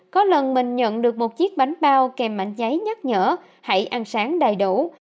có lần mình nhận được một chiếc bánh bao kèm mạnh giấy nhắc nhở hãy ăn sáng đầy đủ